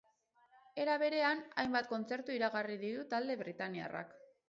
Era berean, hainbat kontzertu iragarri ditu talde britainiarrak.